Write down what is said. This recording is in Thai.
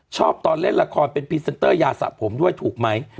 ตอนเล่นละครเป็นพรีเซนเตอร์ยาสะผมด้วยถูกไหม